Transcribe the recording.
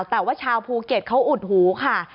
แต่ว่าชาวภูเก็ตเขาอุดหูค่ะ